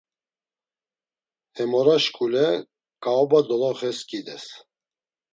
Hemora şkule ǩaoba doloxe skides.